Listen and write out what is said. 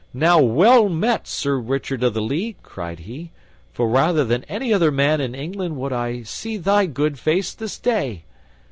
"Now, well met, Sir Richard of the Lea," cried he, "for rather than any other man in England would I see thy good face this day!"